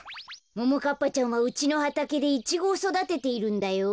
ももかっぱちゃんはうちのはたけでイチゴをそだてているんだよ。